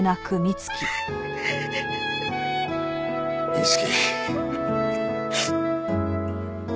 美月。